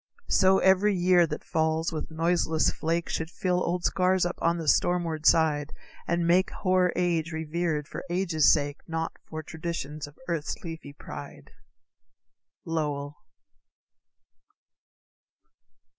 So every year that falls with noiseless flake, Should fill old scars up on the stormward side, And make hoar age revered for age's sake, Not for traditions of earth's leafy pride. _Lowell.